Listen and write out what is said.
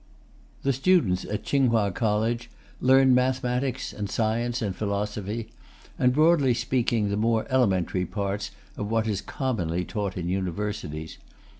The students at Tsing Hua College learn mathematics and science and philosophy, and broadly speaking, the more elementary parts of what is commonly taught in universities.